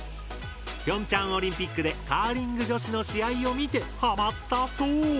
平昌オリンピックでカーリング女子の試合を見てハマったそう！